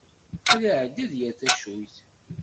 Ad iɛeddi ad yerr tacuyt.